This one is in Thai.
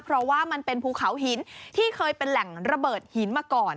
เพราะว่ามันเป็นภูเขาหินที่เคยเป็นแหล่งระเบิดหินมาก่อน